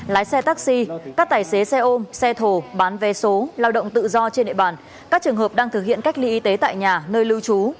lái xe taxi các tài xế xe ôm xe thổ bán vé số lao động tự do trên địa bàn các trường hợp đang thực hiện cách ly y tế tại nhà nơi lưu trú